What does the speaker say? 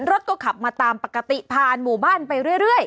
รถก็ขับมาตามปกติผ่านหมู่บ้านไปเรื่อย